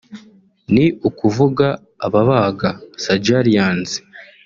ni ukuvuga ababaga(surgeons)